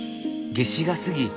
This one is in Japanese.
夏至が過ぎ